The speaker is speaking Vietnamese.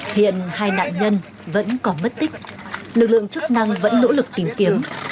hiện hai nạn nhân vẫn còn mất tích lực lượng chức năng vẫn nỗ lực tìm kiếm